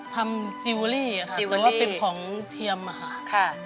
จิลเวอรี่ค่ะแต่ว่าเป็นของเทียมอะค่ะ